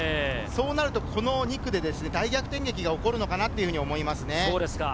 そうなるとこの２区で大逆転劇が起こるのかなと思いますね。